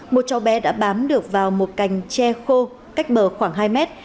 một cháu bé đã bám được vào một cành che khô cách bờ khoảng hai mét